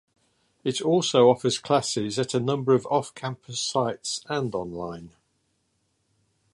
It also offers classes at a number of off-campus sites and online.